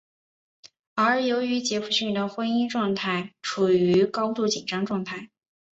而由于杰佛逊的婚姻关系处于高度紧张状态。